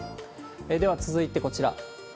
では続いて、こちら。